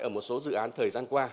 ở một số dự án thời gian qua